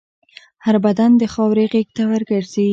هر بدن د خاورې غېږ ته ورګرځي.